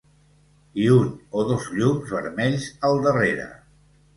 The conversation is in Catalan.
I un o dos llums vermells al darrere.